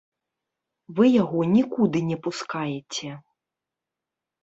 Вы яго нікуды не пускаеце.